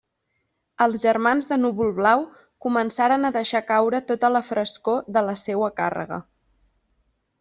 Els germans de Núvol-Blau començaren a deixar caure tota la frescor de la seua càrrega.